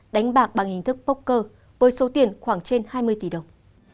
đánh bạc bằng hình thức poker với số tiền khoảng trên hai mươi tỷ đồng